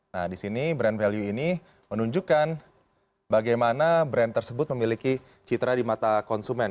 nah di sini brand value ini menunjukkan bagaimana brand tersebut memiliki citra di mata konsumen